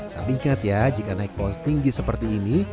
tapi ingat ya jika naik pohon tinggi seperti ini